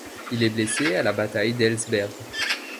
Il est blessé à la bataille d'Heilsberg.